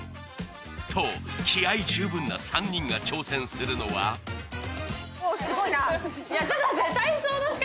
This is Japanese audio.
と気合十分な３人が挑戦するのはおぉすごいな。